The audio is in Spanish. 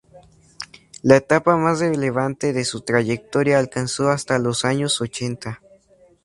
La etapa más relevante de su trayectoria alcanzó hasta los años ochenta.